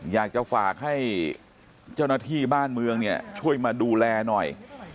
อยากจะฝากให้เจ้าหน้าที่บ้านเมืองเนี่ยช่วยมาดูแลหน่อย